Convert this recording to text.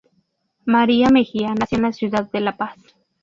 María Mejía nació en la ciudad de La Paz.